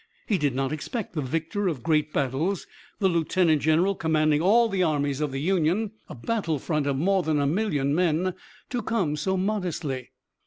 He did not expect the victor of great battles, the lieutenant general commanding all the armies of the Union, a battle front of more than a million men, to come so modestly.